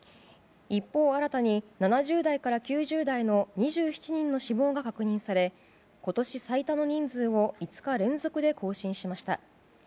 一方、新たに７０代から９０代の２７人の死亡が確認され今年最多の人数を５日連続で更新しました。